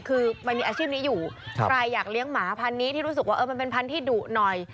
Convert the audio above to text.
คือมันมีอาชีพนี้อยู่ใครอยากเลี้ยงหมาพันธุ์นี้ที่รู้สึกว่ามันเป็นพันธุ์ที่ดุหน่อย